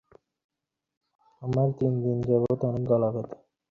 ওরূপ স্থানে বাস অপেক্ষা তিনি নিশ্চয় মৃত্যুকেও শ্রেয় জ্ঞান করিবেন।